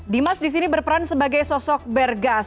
dimas di sini berperan sebagai sosok bergas